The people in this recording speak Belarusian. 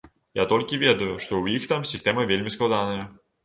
Я толькі ведаю, што ў іх там сістэма вельмі складаная.